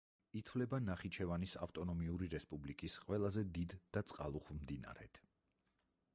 ითვლება ნახიჩევანის ავტონომიური რესპუბლიკის ყველაზე დიდ და წყალუხვ მდინარედ.